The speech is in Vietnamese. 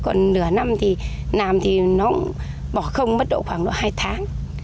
còn nửa năm thì nằm thì nó bỏ không mất độ khoảng hai tháng